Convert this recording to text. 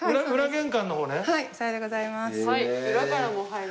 はい。